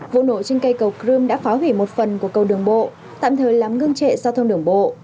vụ nổ trên cây cầu crimea đã phá hủy một phần của cầu đường bộ tạm thời làm ngưng trệ giao thông đường bộ